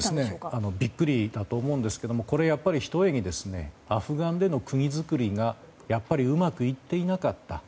ビックリだと思うんですがひとえにアフガンでの国づくりがやっぱりうまくいっていなかった。